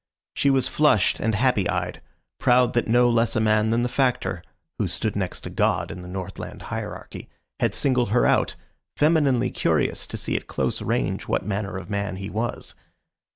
She was flushed and happy eyed, proud that no less a man than the Factor (who stood next to God in the Northland hierarchy) had singled her out, femininely curious to see at close range what manner of man he was.